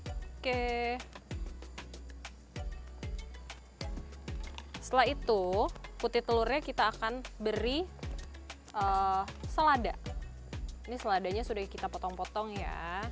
oke setelah itu putih telurnya kita akan beri selada ini seladanya sudah kita potong potong ya